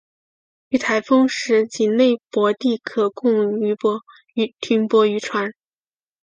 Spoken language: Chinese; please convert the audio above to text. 遇台风时仅内泊地可供停泊渔船。